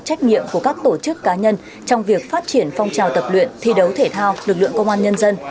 trách nhiệm của các tổ chức cá nhân trong việc phát triển phong trào tập luyện thi đấu thể thao lực lượng công an nhân dân